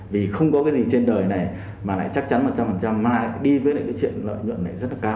vì không có cái gì trên đời này mà lại chắc chắn một trăm linh mà lại đi với cái chuyện lợi nhuận này rất là cao